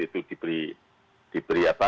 itu diberi apa